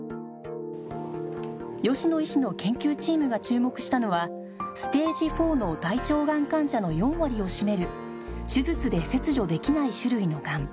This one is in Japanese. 吉野医師の研究チームが注目したのはステージ４の大腸がん患者の４割を占める手術で切除できない種類のがん